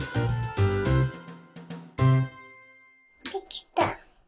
できた。